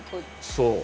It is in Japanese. そう。